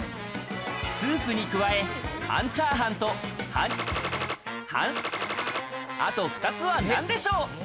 スープに加え、半チャーハンと半○○、半○○、あと２つは何でしょう？